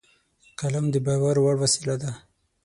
قلم د باور وړ وسیله ده